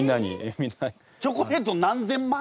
チョコレートを何千枚？